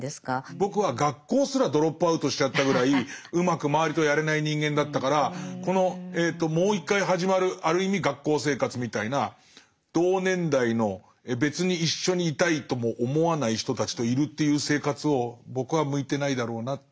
僕は学校すらドロップアウトしちゃったぐらいうまく周りとやれない人間だったからこのもう一回始まるある意味学校生活みたいな同年代の別に一緒にいたいとも思わない人たちといるっていう生活を僕は向いてないだろうなって。